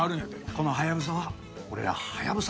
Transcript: このハヤブサは俺らハヤブサ